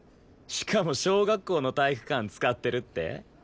しかも小学校の体育館使ってるって？